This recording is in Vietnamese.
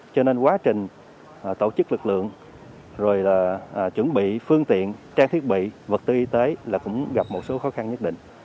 cho nên quá trình tổ chức lực lượng chuẩn bị phương tiện trang thiết bị vật tư y tế cũng gặp một số khó khăn nhất định